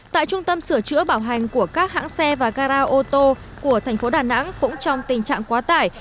tại trung tâm sửa chữa bảo hành của các hãng xe và gara ô tô của thành phố đà nẵng cũng trong tình trạng quá tải